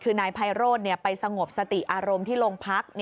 คือนายไพโรธไปสงบสติอารมณ์ที่โรงพัก